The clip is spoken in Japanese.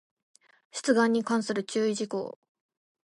出願に関する注意事項